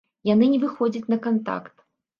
Яны не выходзяць на кантакт.